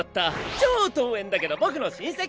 超遠縁だけど僕の親戚！